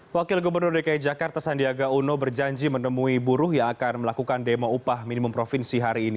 wakil gubernur dki jakarta sandiaga uno berjanji menemui buruh yang akan melakukan demo upah minimum provinsi hari ini